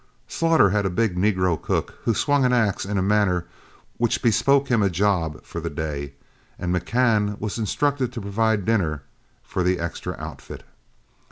Slaughter had a big negro cook who swung an axe in a manner which bespoke him a job for the day, and McCann was instructed to provide dinner for the extra outfit.